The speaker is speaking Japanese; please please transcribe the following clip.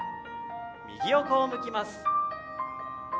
右横を向きます。